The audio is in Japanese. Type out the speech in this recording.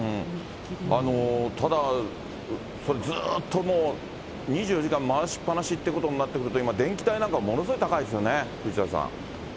ただ、それずっともう２４時間回しっ放しってことになってくると、今、電気代なんかものすごい高いですよね、藤田さん。